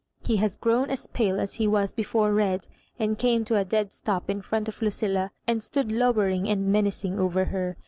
He had grown as pale as he was before red, and came to a dead stop in fW)nt of Lucilla, and stood lowering and menac ing over her.